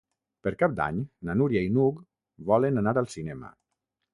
Per Cap d'Any na Núria i n'Hug volen anar al cinema.